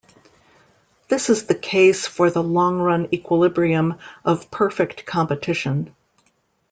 This is the case for the long-run equilibrium of perfect competition.